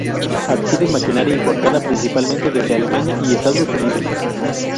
Adquieren maquinaria importada, principalmente desde Alemania y Estados Unidos.